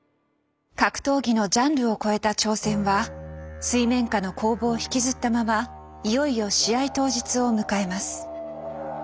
格闘技のジャンルを超えた挑戦は水面下の攻防を引きずったままいよいよ試合当日を迎えます。